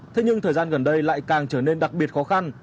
thế nhưng thời gian gần đây lại càng trở nên đặc biệt khó khăn